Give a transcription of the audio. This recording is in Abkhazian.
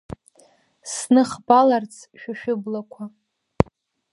Сныхбаларц шәа шәыблақәа…